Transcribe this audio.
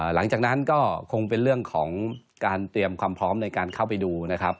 หลังจากนั้นก็คงเป็นเรื่องของการเตรียมความพร้อมในการเข้าไปดูนะครับ